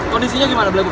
kondisinya gimana black box